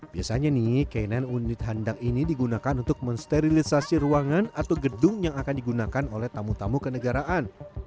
biasanya nih k sembilan unit handak ini digunakan untuk mensterilisasi ruangan atau gedung yang akan digunakan oleh tamu tamu kenegaraan